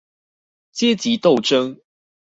階級鬥爭